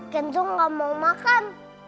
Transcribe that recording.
kenzo gak mau makan